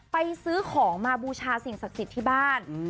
ซื้อของมาบูชาสิ่งศักดิ์สิทธิ์ที่บ้าน